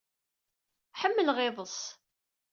Ḥemmleɣ iḍes.